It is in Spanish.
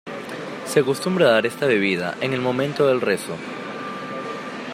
Se acostumbra dar esta bebida en el momento del rezo.